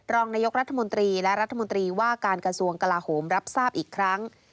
รองนายกรัฐมนตรีและรัฐมนตรีว่าการกระทรวงกลาโหมรับทราบอีกครั้ง